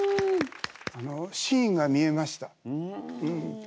シーンが見えましたうん。